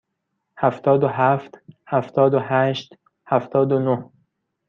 هفتاد و هفت، هفتاد و هشت، هفتاد و نه.